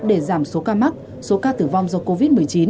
để giảm số ca mắc số ca tử vong do covid một mươi chín